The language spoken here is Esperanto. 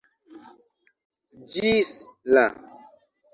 Ĝis la